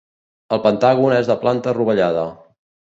El pentàgon és de plata rovellada.